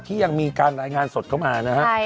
ที่ยังมีการรายงานสดเข้ามานะฮะ